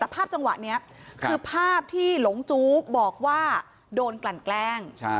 แต่ภาพจังหวะนี้คือภาพที่หลงจู้บอกว่าโดนกลั่นแกล้ง